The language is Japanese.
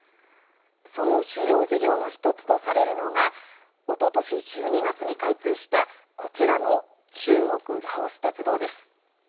その主要事業の１つとされるのがおととし１２月に開通したこちらの中国ラオス鉄道です。